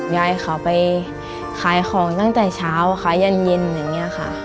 ยายเขาไปขายของตั้งแต่เช้าขายเย็นอย่างนี้ค่ะ